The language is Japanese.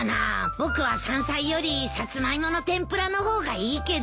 僕は山菜よりサツマイモの天ぷらの方がいいけど。